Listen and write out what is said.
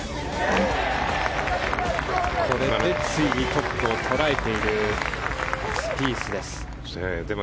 これで、ついにトップをとらえているスピースです。